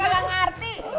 mak gak ngerti